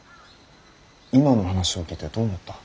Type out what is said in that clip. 今の話を聞いてどう思った。